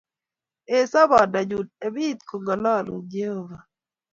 Ee sobondannyu ep iit kong'alalun Jehova.